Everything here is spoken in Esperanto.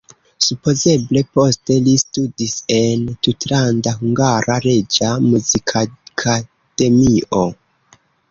Supozeble poste li studis en Tutlanda Hungara Reĝa Muzikakademio.